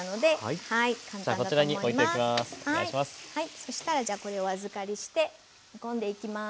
そしたらこれをお預かりして煮込んでいきます。